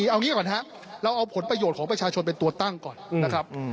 เอางี้ก่อนครับเราเอาผลประโยชน์ของประชาชนเป็นตัวตั้งก่อนนะครับ